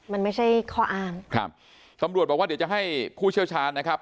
มันไม่ใช่ข้ออ้างครับตำรวจบอกว่าเดี๋ยวจะให้ผู้เชี่ยวชาญนะครับ